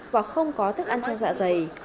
và không có thức ăn trong dạ dày